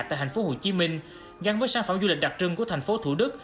tại tp hcm gắn với sản phẩm du lịch đặc trưng của tp thủ đức